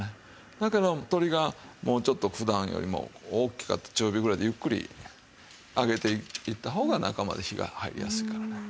だけども鶏がもうちょっと普段よりも大きかったら中火ぐらいでゆっくり揚げていった方が中まで火が入りやすいからね。